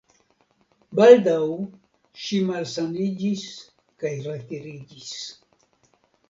Baldaŭ ŝi malsaniĝis kaj retiriĝis.